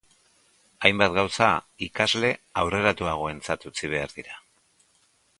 Hainbat gauza ikasle aurreratuagoentzat utzi behar dira.